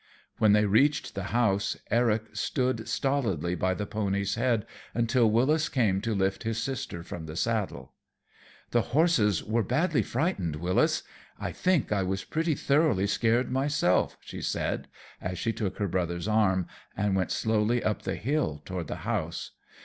When they reached the house, Eric stood stolidly by the pony's head until Wyllis came to lift his sister from the saddle. "The horses were badly frightened, Wyllis. I think I was pretty thoroughly scared myself," she said as she took her brother's arm and went slowly up the hill toward the house.